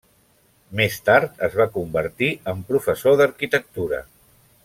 Més tard es va convertir en professor d'arquitectura.